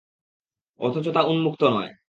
অথচ তা উন্মুক্ত নয়।